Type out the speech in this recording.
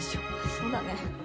そうだね。